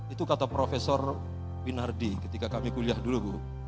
itu kata profesor binardi ketika kami kuliah dulu